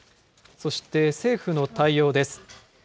そして政府の対応です。